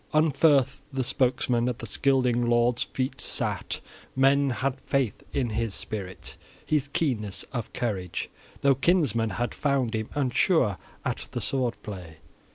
Unferth the spokesman at the Scylding lord's feet sat: men had faith in his spirit, his keenness of courage, though kinsmen had found him unsure at the sword play.